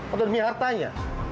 atau demi hartanya